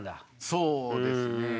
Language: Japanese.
そうですね。